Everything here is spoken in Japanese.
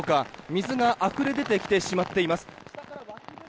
水があふれ出てきてしまっています。